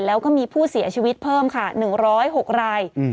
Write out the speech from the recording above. แล้วก็มีผู้เสียชีวิตเพิ่มค่ะ๑๐๖ราย